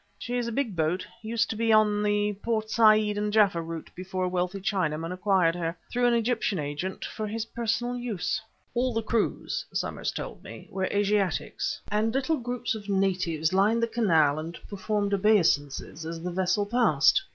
She is a big boat used to be on the Port Said and Jaffa route before a wealthy Chinaman acquired her through an Egyptian agent for his personal use. "All the crews, Summers told me, were Asiatics, and little groups of natives lined the Canal and performed obeisances as the vessel passed.